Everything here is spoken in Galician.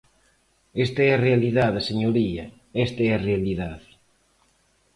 Esta é a realidade, señoría, esta é a realidade.